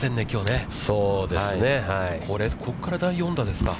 これ、ここから第４打ですか。